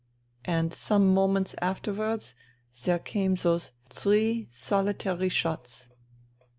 And some moments afterwards there came those three solitary shots."